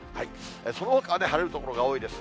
そのほかは晴れる所が多いです。